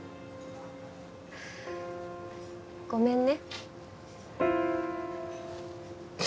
ごめんね。